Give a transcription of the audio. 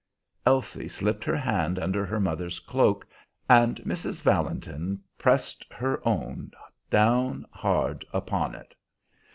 Elsie slipped her hand under her mother's cloak, and Mrs. Valentin pressed her own down hard upon it.